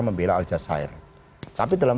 membela al jazeera tapi dalam